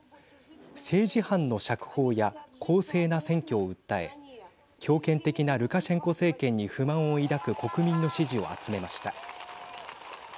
政治犯の釈放や公正な選挙を訴え強権的なルカシェンコ政権に不満を抱く国民の支持を集めました。